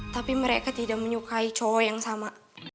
tapi mereka tidak menyukai cowok yang sama